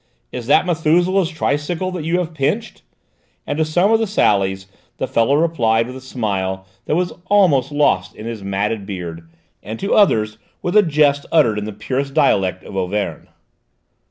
"Is that Methuselah's tricycle that you have pinched?" and to some of the sallies the fellow replied with a smile that was almost lost in his matted beard, and to others with a jest uttered in the purest dialect of Auvergne.